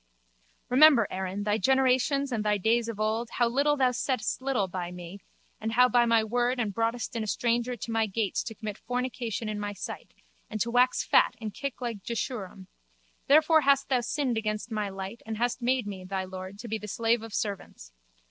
Remember, Erin, thy generations and thy days of old, how thou settedst little by me and by my word and broughtedst in a stranger to my gates to commit fornication in my sight and to wax fat and kick like Jeshurum. Therefore hast thou sinned against my light and hast made me, thy lord, to be the slave of servants.